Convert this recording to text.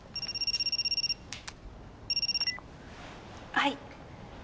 はい。